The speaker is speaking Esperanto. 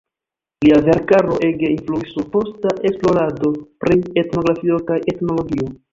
Lia verkaro ege influis sur posta esplorado pri etnografio kaj etnologio.